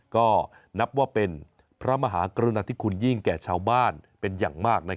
ก็นับว่าเป็นพระมหากรุณาธิคุณยิ่งแก่ชาวบ้านเป็นอย่างมาก